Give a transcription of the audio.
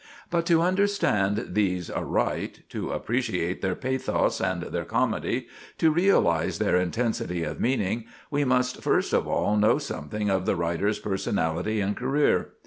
But to understand these aright, to appreciate their pathos and their comedy, to realize their intensity of meaning, we must first of all know something of the writer's personality and career.